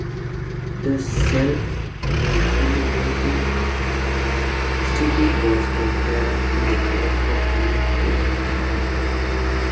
The self-recriminating "Stupid" was compared to the work of Anita Baker.